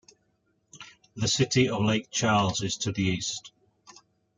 The city of Lake Charles is to the east.